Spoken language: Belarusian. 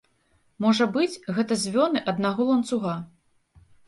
Можа быць, гэта звёны аднаго ланцуга.